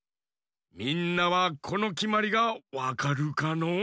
みんなはこのきまりがわかるかのう？